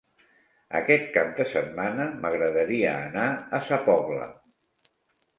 Aquest cap de setmana m'agradaria anar a Sa Pobla.